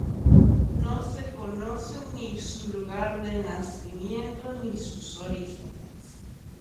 No se conocen ni su lugar de nacimiento, ni sus orígenes.